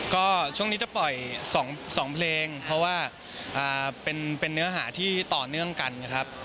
ก็ช่วงนี้จะปล่อย๒เพลงเพราะว่าเป็นเนื้อหาที่ต่อเนื่องกันครับ